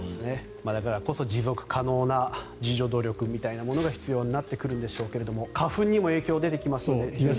だからこそ持続可能な自助努力が必要になってくるんでしょうけど花粉にも影響が出てきますので。